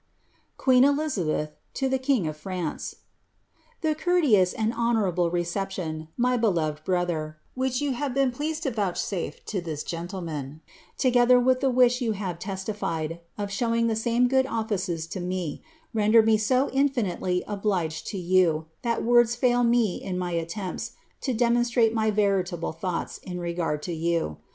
QuKKzr Elizabith to thk Kivo ov Frahcb. "The courteous and honourable reception, my beloved brother, which you have been pleased to vouchsafe to this gentleman, together with the wish you have testified, of showing the same good offices to me, render me so infinitely obliged to you, that words fail me in my attempts to demonstrate my veritable thoughts in regard to you.